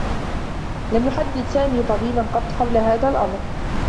لم يحدّث سامي طبيبا قطّ حول هذا الأمر.